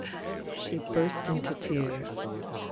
..." She burst into tears.